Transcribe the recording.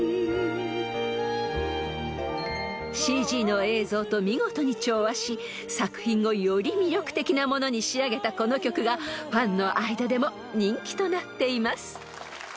［ＣＧの映像と見事に調和し作品をより魅力的なものに仕上げたこの曲がファンの間でも人気となっています］